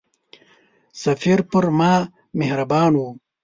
سفیر پر ما مهربان وو.